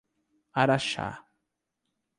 Araxá